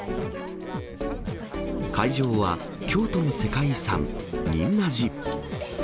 会場は京都の世界遺産、仁和寺。